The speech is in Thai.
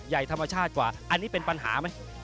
ธรรมชาติกว่าอันนี้เป็นปัญหาไหม